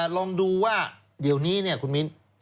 ลองดูว่าเดี๋ยวนี้คุณมิ้น